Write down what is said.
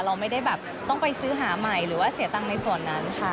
เราไม่ได้แบบต้องไปซื้อหาใหม่หรือว่าเสียตังค์ในส่วนนั้นค่ะ